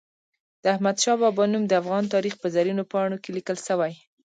د احمد شاه بابا نوم د افغان تاریخ په زرینو پاڼو کې لیکل سوی.